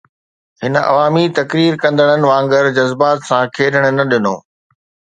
هن عوامي تقرير ڪندڙن وانگر جذبات سان کيڏڻ نه ڏنو.